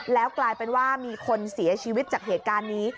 แล้วกลายเป็นว่ามีคนเสียชีวิตจากเหตุการณ์นี้